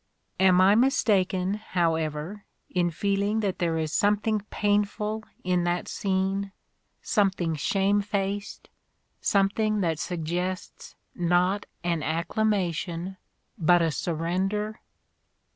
Am I mistaken, however, in feel ing that there is something painful in that scene, some thing shamefaced, something that suggests not an acclamation but a surrender?